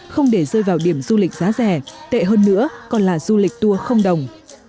không để rơi vào điểm du lịch giá rẻ tệ hơn nữa còn là du lịch tour không đồng